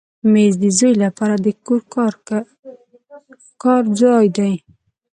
مېز د زوی لپاره د کور کار ځای دی.